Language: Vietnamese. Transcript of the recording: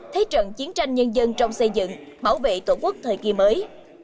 thế trận chiến tranh nhân dân trong xây dựng bảo vệ tổ quốc thời kỳ mới